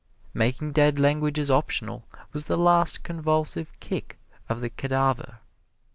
Making dead languages optional was the last convulsive kick of the cadaver.